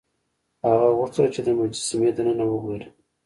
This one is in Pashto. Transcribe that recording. هغه غوښتل چې د مجسمې دننه وګوري.